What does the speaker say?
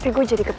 buat apaa kupu